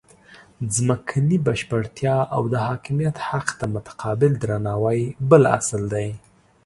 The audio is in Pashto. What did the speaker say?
ځمکنۍ بشپړتیا او د حاکمیت حق ته متقابل درناوی بل اصل دی.